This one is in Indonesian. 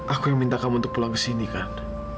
aku yang minta kamu untuk pulang ke sini kan